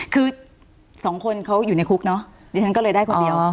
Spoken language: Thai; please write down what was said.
คือสองคนเขาอยู่ในคุกเนอะดิฉันก็เลยได้คนเดียว